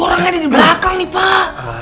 emang ada di belakang nih pak